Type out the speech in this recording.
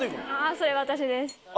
それ私です。